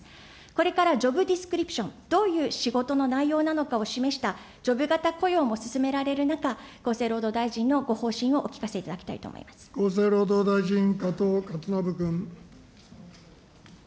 これからジョブリスクリプション、どういう仕事の内容なのかを示したジョブ型雇用も進められる中、厚生労働大臣のご方針をお聞かせ厚生労働大臣、加藤勝信君。